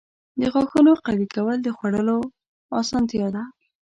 • د غاښونو قوي کول د خوړلو اسانتیا ده.